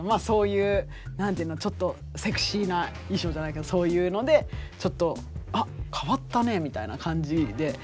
そういう何ていうのちょっとセクシーな衣装じゃないけどそういうのでちょっとあっ変わったねみたいな感じで。